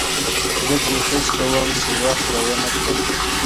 زه کوښښ کوم، چي وخت ضایع نه کړم.